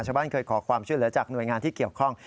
เคยขอความช่วยเหลือจากหน่วยงานที่เกี่ยวข้อง